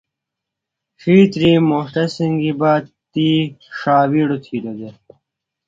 ڇِھیتری موݜٹہ سنگیۡ بہ تی ݜاوِیڑوۡ تِھیلوۡ دےۡ۔